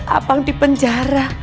abang di penjara